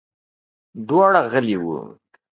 دواړه غلي ول.